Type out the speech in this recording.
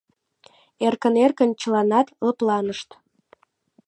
Эркын-эркын чыланат лыпланышт.